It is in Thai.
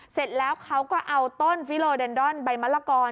เสร็จแล้วเขาก็เอาต้นฟิโลเดนดอนใบมะละกอ